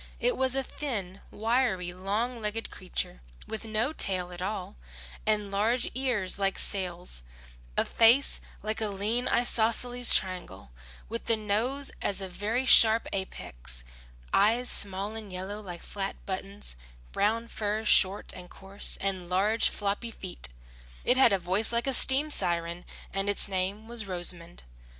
It was a thin, wiry, long legged creature, with no tail at all, and large ears like sails, a face like a lean isosceles triangle with the nose as a very sharp apex, eyes small and yellow like flat buttons, brown fur short and coarse, and large floppy feet. It had a voice like a steam siren and its name was Rosamund.